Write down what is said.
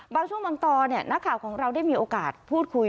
บางช่วงบางตอนนักข่าวของเราได้มีโอกาสพูดคุย